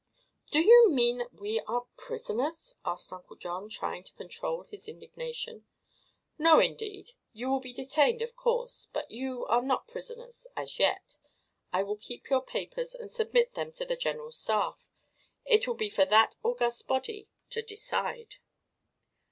"Do you mean that we are prisoners?" asked Uncle John, trying to control his indignation. "No, indeed. You will be detained, of course, but you are not prisoners as yet. I will keep your papers and submit them to the general staff. It will be for that august body to decide."